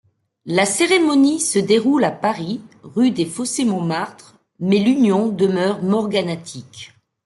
La cérémonie se déroule à Paris, rue des Fossés-Montmartre, mais l'union demeure morganatique.